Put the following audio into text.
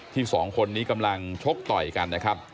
สองคนนี้กำลังชกต่อยกันนะครับ